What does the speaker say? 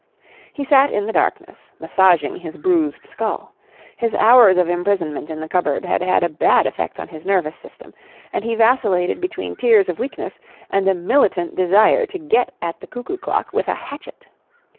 He sat in the darkness, massaging his bruised skull. His hours of imprisonment in the cupboard had had a bad effect on his nervous system, and he vacillated between tears of weakness and a militant desire to get at the cuckoo clock with a hatchet.